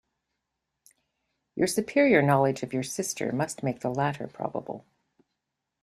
Your superior knowledge of your sister must make the latter probable.